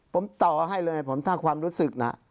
ผมต่อให้เลยผมถ้าความรู้สึกนะ